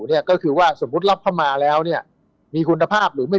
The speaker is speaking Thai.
เนี่ยก็คือว่าสมมุติรับเข้ามาแล้วเนี่ยมีคุณภาพหรือไม่